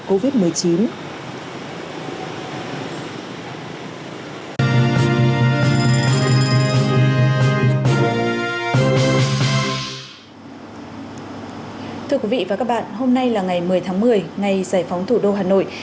covid một mươi chín thưa quý vị và các bạn hôm nay là ngày một mươi tháng một mươi ngày giải phóng thủ đô hà nội